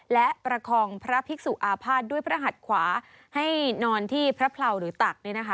และประคองพระภิกษุอาภาษณ์ด้วยพระหัดขวาให้นอนที่พระเลาหรือตัก